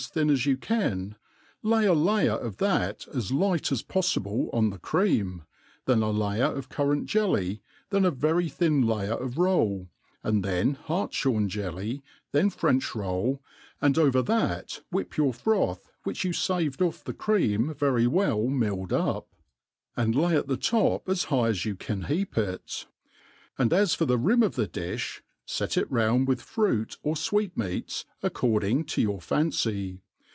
thin as you can. Jay a layer of that as light as poffible on the cream, then a layer of currant^jelly, then ji very thin layer of roll, and then hartfliorn jelly, then French roll, and over that whip your froth which you faved off the cream very well milled up, and lay at top as high as you can heap it; and as for the rim of the diC], fet it ^ound with fruit or IWeetnfeats, according to your fancy.